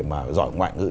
mà giỏi ngoại ngữ